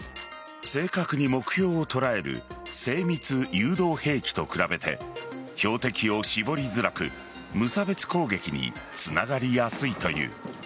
正確に目標を捉える精密誘導兵器と比べて標的を絞りづらく無差別攻撃につながりやすいという。